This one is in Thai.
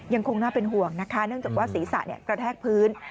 ยังคงน่าเป็นห่วงนะคะเนื่องจากว่าศีรษะกระแทกพื้น